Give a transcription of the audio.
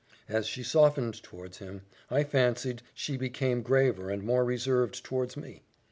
As she softened towards him, I fancied she became graver and more reserved towards me.